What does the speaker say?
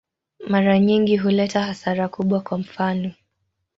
Mara nyingi huleta hasara kubwa, kwa mfano.